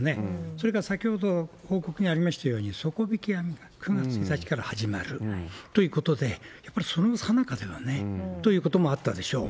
それから、先ほど報告にありましたように、底引き網漁が９月１日から始まるということで、やっぱりそのさなかではね、ということもあったでしょう。